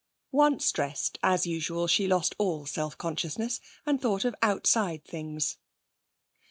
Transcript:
Once dressed, as usual she lost all self consciousness, and thought of outside things.